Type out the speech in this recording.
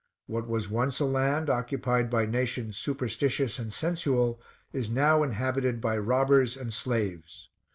What was once a land occupied by nations superstitious and sensual is now inhabited by robbers and slaves.